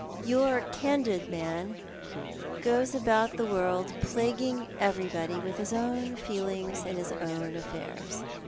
Your candid man goes about the world plaguing everybody with his own feelings and his own affairs.